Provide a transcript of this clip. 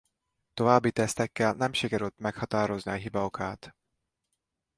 További tesztekkel nem sikerült meghatározni a hiba okát.